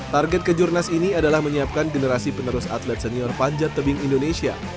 target kejurnas ini adalah menyiapkan generasi penerus atlet senior panjat tebing indonesia